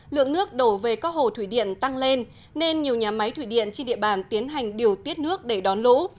lượng nước đổ về các hồ thủy điện tăng lên nên nhiều nhà máy thủy điện trên địa bàn tiến hành điều tiết nước để đón lũ